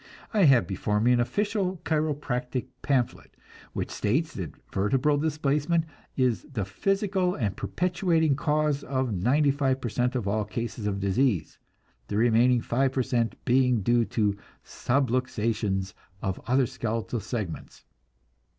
I have before me an official chiropractic pamphlet which states that vertebral displacement is "the physical and perpetuating cause of ninety five per cent of all cases of disease; the remaining five per cent being due to subluxations of other skeletal segments."